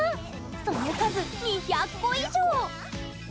その数、２００個以上！